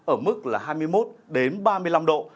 ở mức là hai mươi một đến ba mươi năm độ